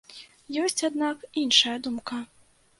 Ёсць аднак іншая думка.